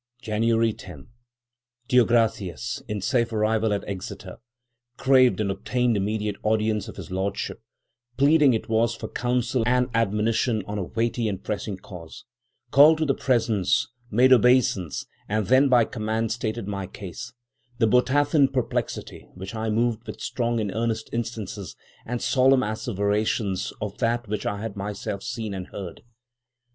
"January 10.—Deo gratias, in safe arrival at Exeter; craved and obtained immediate audience of his lordship; pleading it was for counsel and admonition on a weighty and pressing cause; called to the presence; made obeisance; and then by command stated my case—the Botathen perplexity—which I moved with strong and earnest instances and solemn asseverations of that which I had myself seen and heard.